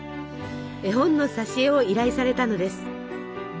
絵本の挿絵を依頼されたのです。